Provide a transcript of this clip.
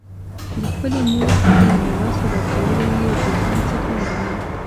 د خپلې مور په له لاسه ورکولو يې د غم څکه وکړه.